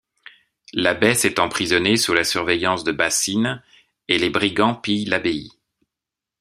L’abbesse est emprisonnée sous la surveillance de Basine, et les brigands pillent l’abbaye.